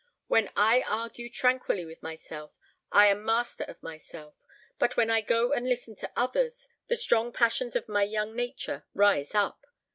When I argue tranquilly with myself, I am master of myself; but when I go and listen to others, the strong passions of my young nature rise up.